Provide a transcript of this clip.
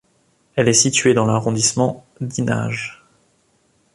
Elle est située dans l'arrondissement d'Inage.